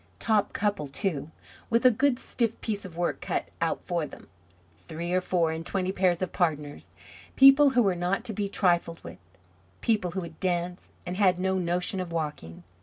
Top couple, too, with a good stiff piece of work cut out for them; three or four and twenty pairs of partners; people who were not to be trifled with; people who would dance and had no notion of walking.